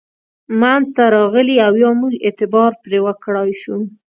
منځته راغلي او یا موږ اعتبار پرې وکړای شو.